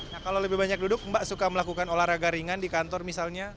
nah kalau lebih banyak duduk mbak suka melakukan olahraga ringan di kantor misalnya